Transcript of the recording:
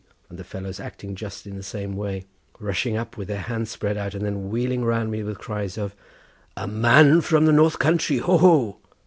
and the fellows acting just in the same way, rushing up with their hands spread out, and then wheeling round me with cries of "A man from the north country, hoo, hoo!"